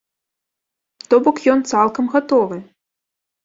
То бок ён цалкам гатовы!